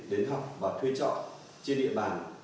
đến học và thuê trọ trên địa bàn